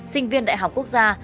sinh viên đại học quốc gia